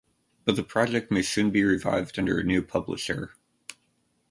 But the project may soon be revived under a new publisher.